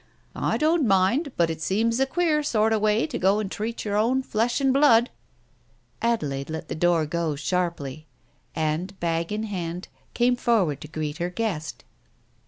"I don't mind, but it seems a queer sort of way to go and treat your own flesh and blood !" Adelaide let the door go sharply and, bag in hand, came forward to greet her guest.